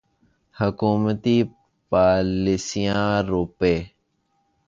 حکومتی پالیسیاں روپے